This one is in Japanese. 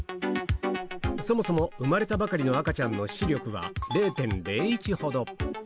そもそも、生まれたばかりの赤ちゃんの視力は０．０１ほど。